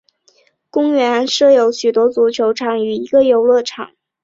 公园还设有许多足球场与一个游乐场。